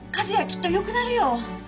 きっとよくなるよ。